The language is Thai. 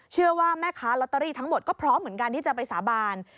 เชื่อว่าแม่ค้าลอตเตอรี่ทั้งหมดก็พร้อมเหมือนกันที่จะไปสาบาน